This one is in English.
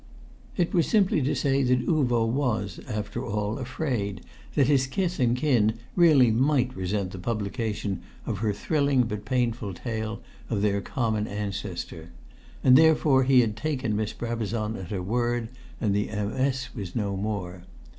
It was simply to say that Uvo was after all afraid that his kith and kin really might resent the publication of her thrilling but painful tale of their common ancestor; and therefore he had taken Miss Brabazon at her word, and the MS. was no more.